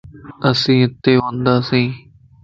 اسين اتي ونداسين